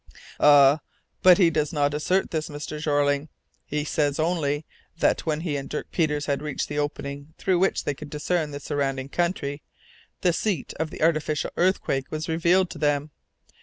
"Ah! but he does not assert this, Mr. Jeorling! He says only that, when he and Dirk Peters had reached the opening through which they could discern the surrounding country, the seat of the artificial earthquake was revealed to them.